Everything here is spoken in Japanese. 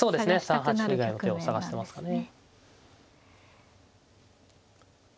３八歩以外の手を探してますかね。